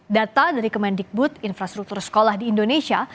data dari kemendikbud infrastruktur sekolah di indonesia